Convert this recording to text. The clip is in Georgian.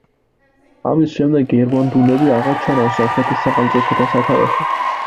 ამის შემდეგ ერვანდუნები აღარ ჩანან სომხეთის სახელმწიფოთა სათავეში.